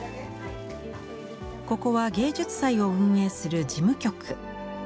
ここは芸術祭を運営する事務局。